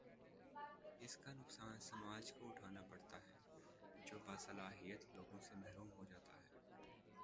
اس کا نقصان سماج کو اٹھا نا پڑتا ہے جو باصلاحیت لوگوں سے محروم ہو جا تا ہے۔